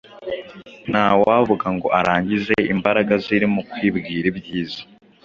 Ntawavuga ngo arangize imbaraga ziri mu kwibwira ibyiza.